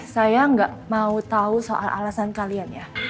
saya gak mau tau soal alasan kalian ya